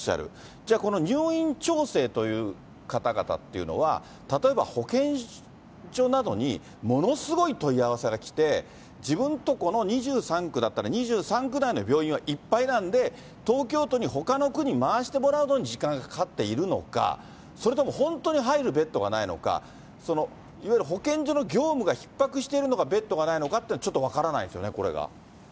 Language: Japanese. じゃあ、この入院調整という方々っていうのは、例えば保健所などにものすごい問い合わせが来て、自分とこの２３区だったら、２３区内の病院はいっぱいなんで、東京都にほかの区に回してもらうのに時間がかかっているのか、それとも本当に入るベッドがないのか、いわゆる保健所の業務がひっ迫しているのか、ベッドがないのかというのがちょっと分からないですよね、これが。